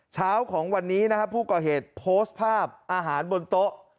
เช้าของวันนี้นะครับผู้ก่อเหตุโพสต์ภาพอาหารบนโต๊ะ